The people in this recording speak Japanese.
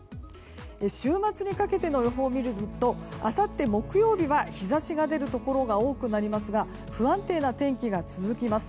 週末にかけての予報を見るとあさって、木曜日は日差しが出るところが多くなりますが不安定な天気が続きます。